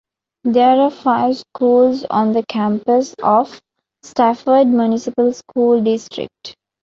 There are five schools on the campus of Stafford Municipal School District.